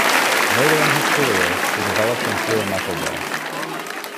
Later in his career, he developed and threw a knuckleball.